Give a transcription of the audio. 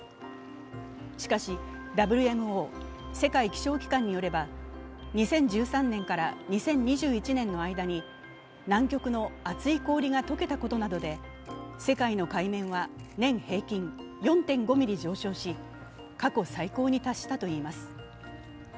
しかし、ＷＭＯ＝世界気象機関によれば２０１３年から２０２１年の間に南極の厚い氷が解けたことなどで世界の海面は年平均４．５ｍｍ上昇し過去最高に達したといいます。